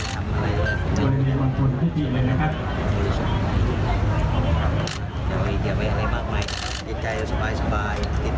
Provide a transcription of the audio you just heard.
หลอกว่านิดนึงหลอกว่านิดนึง